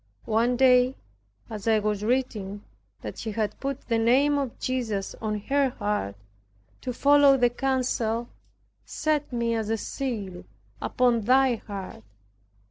One day as I was reading that she had put the name of Jesus on her heart, to follow the counsel, "Set me as a seal upon thy heart."